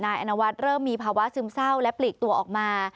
อนวัฒน์เริ่มมีภาวะซึมเศร้าและปลีกตัวออกมา